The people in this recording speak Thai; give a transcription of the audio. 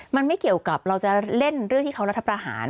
มันไม่เกี่ยวกับเราจะเล่นเรื่องที่เขารัฐประหาร